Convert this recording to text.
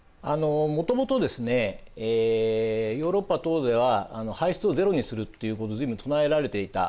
もともとですねヨーロッパ等では排出をゼロにするということを随分唱えられていた。